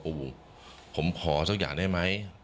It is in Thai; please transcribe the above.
ปูผมขอสักอย่างได้ไหม